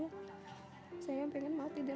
saya ingin mati dalam keadaan syurga